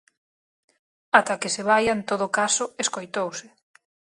"Ata que se vaia, en todo caso", escoitouse.